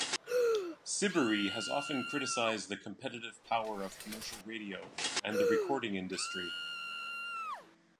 Siberry has often criticized the competitive power of commercial radio and the recording industry.